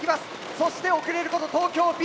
そして遅れること東京Ｂ。